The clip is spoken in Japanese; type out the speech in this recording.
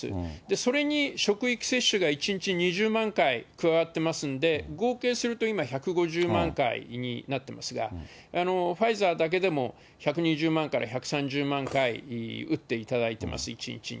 それに職域接種が１日２０万回加わってますんで、合計すると今、１５０万回になってますが、ファイザーだけでも１２０万から１３０万回打っていただいてます、１日に。